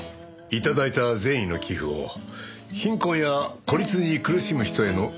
頂いた善意の寄付を貧困や孤立に苦しむ人への支援に回しております。